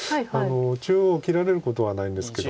中央切られることはないんですけども。